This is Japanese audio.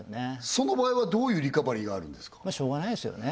その場合はどういうリカバリーがあるんですかしょうがないですよね